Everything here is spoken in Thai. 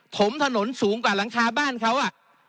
ถมถนนสูงกว่าหลังคาบ้านเขาอ่ะ